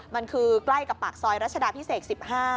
มันคือใกล้กับปากซอยรัชดาพิเศษ๑๕